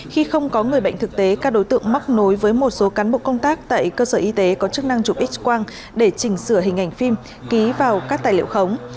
khi không có người bệnh thực tế các đối tượng mắc nối với một số cán bộ công tác tại cơ sở y tế có chức năng chụp x quang để chỉnh sửa hình ảnh phim ký vào các tài liệu khống